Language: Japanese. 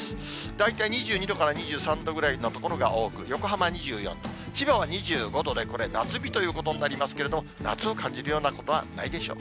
大体２２度から２３度ぐらいの所が多く、横浜２４度、千葉は２５度で、これ、夏日ということになりますけれども、夏を感じるようなことはないでしょう。